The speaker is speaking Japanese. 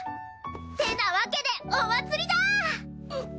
ってなわけでお祭りだー！